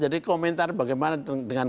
jadi komentar bagaimana dengan